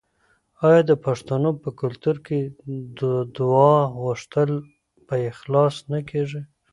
آیا د پښتنو په کلتور کې د دعا غوښتل په اخلاص نه کیږي؟